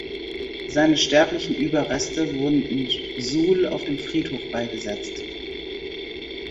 Seine sterblichen Überreste wurden in Suhl auf dem Friedhof beigesetzt.